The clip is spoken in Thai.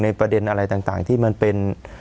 ประเด็นอะไรต่างที่มันเป็น